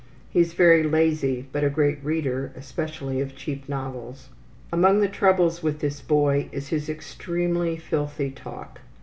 He is very lazy, but a great reader, especially of cheap novels. Among the troubles with this boy is his extremely filthy talk.